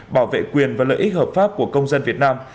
bảo vệ quyền và lợi ích hợp pháp của công dân việt nam